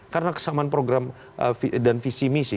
karena kesamaan program dan visi misi